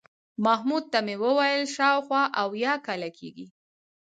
محمود ته مې وویل شاوخوا اویا کاله کېږي.